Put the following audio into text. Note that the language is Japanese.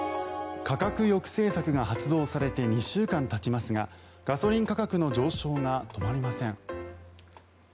価格抑制策が発動されて２週間たちますがガソリン価格の上昇が止まりません。